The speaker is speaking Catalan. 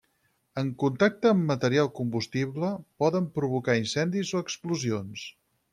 En contacte amb material combustible poden provocar incendis o explosions.